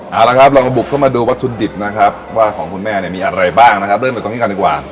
เอาละครับลองบุกเข้ามาดูวัตถุดิบนะครับว่าของคุณแม่มีอะไรบ้างนะครับเริ่มกันดีกว่า